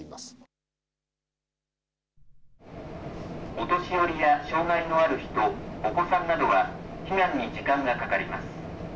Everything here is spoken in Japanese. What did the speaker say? お年寄りや障害のある人、お子さんなどは避難に時間がかかります。